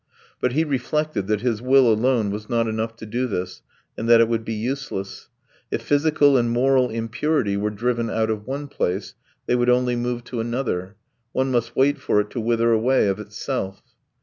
But he reflected that his will alone was not enough to do this, and that it would be useless; if physical and moral impurity were driven out of one place, they would only move to another; one must wait for it to wither away of itself.